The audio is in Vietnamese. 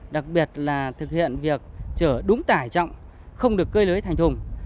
đặc biệt là thực hiện việc chở đúng tải trọng không được cơi lưới thành thùng